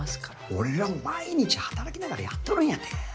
俺らも毎日働きながらやっとるんやて。